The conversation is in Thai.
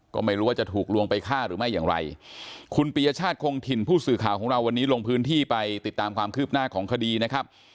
ก็ไม่รู้ว่าจะถูกลวงไปฆ่าหรือไม่อย่างไรคุณปียชาติคงถิ่นผู้สื่อข่าวของเราวันนี้ลงพื้นที่ไปติดตามความคืบหน้าของคดีนะครับ